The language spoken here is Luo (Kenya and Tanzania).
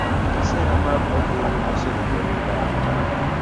Kisera mag ombulu oserumo uganda